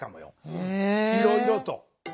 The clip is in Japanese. いろいろと。